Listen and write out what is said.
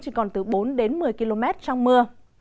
chỉ còn từ bốn một mươi km trong mưa